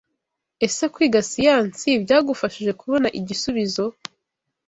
Ese kwiga siyansi byagufashije kubona igisubizo?